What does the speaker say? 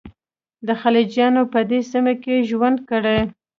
د خلجیانو په دې سیمه کې ژوند کړی.